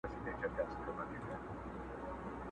ګوښه پروت وو د مېږیانو له آزاره٫